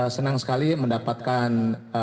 senang sekali mendapatkan